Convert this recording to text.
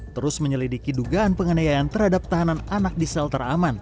terus menyelidiki dugaan pengenayaan terhadap tahanan anak di shelter aman